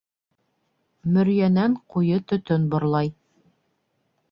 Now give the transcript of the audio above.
Мөрйәнән ҡуйы төтөн борлай.